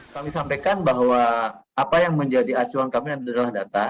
kami sampaikan bahwa apa yang menjadi acuan kami adalah data